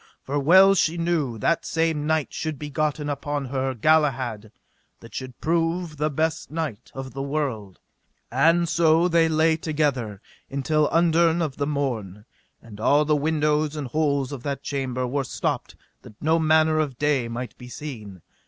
For well she knew that same night should be gotten upon her Galahad that should prove the best knight of the world; and so they lay together until underne of the morn; and all the windows and holes of that chamber were stopped that no manner of day might be seen.